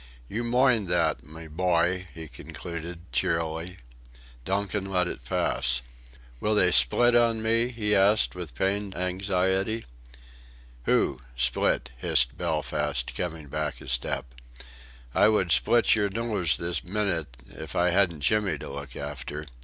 "You moind that, my bhoy!" he concluded, cheerily. Donkin let it pass. "Will they split on me?" he asked, with pained anxiety. "Who split?" hissed Belfast, coming back a step. "I would split your nose this minyt if I hadn't Jimmy to look after!